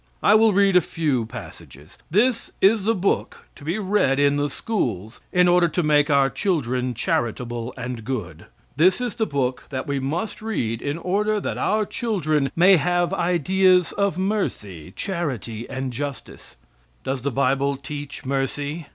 I will read a few passages. This is the book to be read in the schools, in order to make our children charitable and good; this is the book that we must read in order that our children may have ideas of mercy, charity and justice. Does the Bible teach mercy?